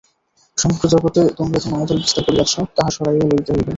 সমগ্র জগতে তোমরা যে মায়াজাল বিস্তার করিয়াছ, তাহা সরাইয়া লইতে হইবে।